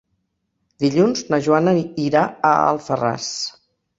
Dilluns na Joana irà a Alfarràs.